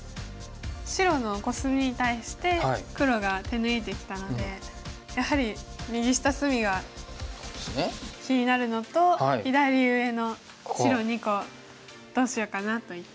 白のコスミに対して黒が手抜いてきたのでやはり右下隅が気になるのと左上の白２個どうしようかなといった。